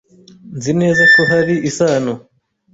Nzi neza ko hari isano.